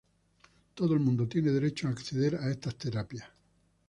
Todo el mundo tiene derecho a acceder a estas terapias".